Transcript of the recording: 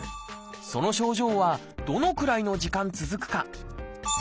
その症状はどのくらいの時間続くか。